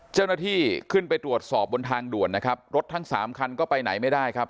เจ้าหน้าที่ขึ้นไปตรวจสอบบนทางด่วนนะครับรถทั้งสามคันก็ไปไหนไม่ได้ครับ